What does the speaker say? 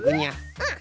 うん。